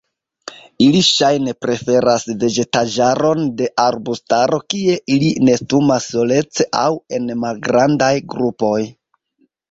Ili ŝajne preferas vegetaĵaron de arbustaro kie ili nestumas solece aŭ en malgrandaj grupoj.